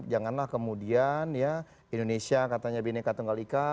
janganlah kemudian ya indonesia katanya bhinneka tenggal ika